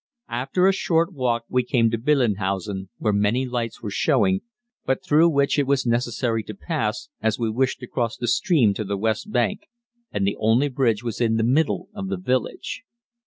After a short walk we came to Billenhausen, where many lights were showing, but through which it was necessary to pass, as we wished to cross the stream to the west bank, and the only bridge was in the middle of the village.